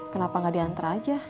kenapa gak diantar aja